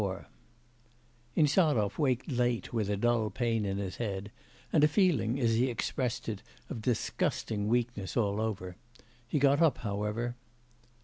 XXXIV Insarov waked late with a dull pain in his head, and a feeling, as he expressed it, of disgusting weakness all over. He got up however.